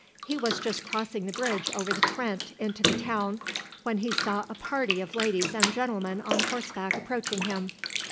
He was just crossing the bridge over the Trent, into the town, when he saw a party of ladies and gentlemen on horseback approaching him.